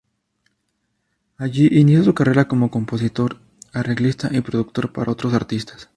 Allí inició su carrera como compositor, arreglista y productor para otros artistas.